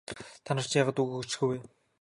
Та нар чинь яагаад дуугүй хөшчихөө вэ?